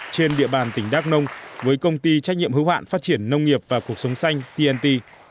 trên địa bàn tỉnh đắk nông với công ty trách nhiệm hữu hạn phát triển nông nghiệp và cuộc sống xanh tnt